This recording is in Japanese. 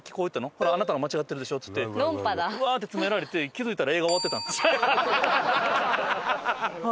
「ほらあなたが間違ってるでしょ」っつってワーッて詰められて気づいたら映画終わってたんですよ。